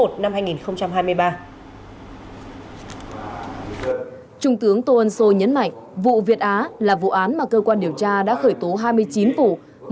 trung tướng tô ân sô nhấn mạnh vụ việt á là vụ án mà cơ quan điều tra đã khởi tố hai mươi chín vụ